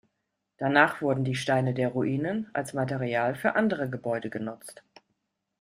Danach wurden die Steine der Ruinen als Material für andere Gebäude genutzt.